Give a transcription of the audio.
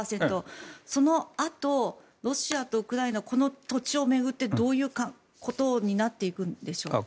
そのあと、ロシアとウクライナはこの土地を巡ってどういうことになっていくのでしょうか。